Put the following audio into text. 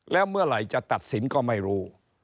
แล้วเมื่อไหร่จะตัดสินก็ไม่รู้